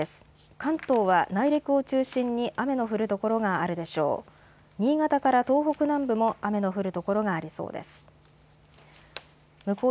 関東は内陸を中心に雨の降る所があるでしょう。